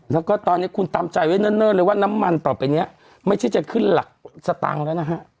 แล้วก็ตอนนี้คุณตามใจไว้เนิ่นเลยว่าน้ำมันต่อไปเนี่ยไม่ใช่จะขึ้นหลักสตางค์แล้วนะฮะ